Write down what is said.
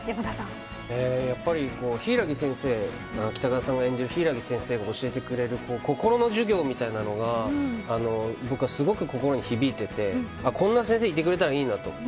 やっぱり柊木先生北川さんが演じる柊木先生が教えてくれる心の授業みたいなのが僕はすごく心に響いててこんな先生いてくれたらいいなと。